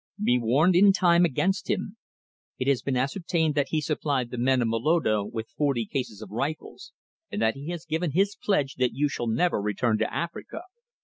Be warned in time against him. It has been ascertained that he supplied the men of Moloto with forty cases of rifles, and that he has given his pledge that you shall never return to Africa.